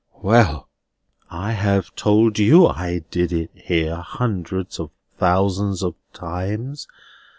"Well; I have told you I did it here hundreds of thousands of times.